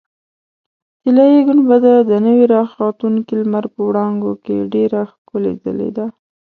طلایي ګنبده د نوي راختونکي لمر په وړانګو کې ډېره ښکلې ځلېدله.